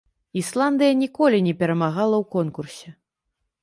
Ісландыя ніколі не перамагала ў конкурсе.